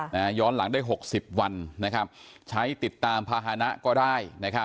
ค่ะอ่าย้อนหลังได้หกสิบวันนะครับใช้ติดตามพาหนะก็ได้นะครับ